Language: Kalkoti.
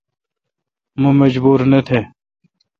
مہ مجبور نہ تھ۔